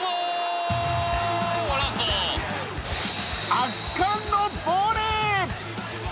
圧巻のボレー！